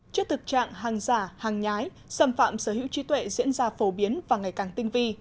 trước thực trạng hàng giả hàng nhái xâm phạm sở hữu trí tuệ diễn ra phổ biến và ngày càng tinh vi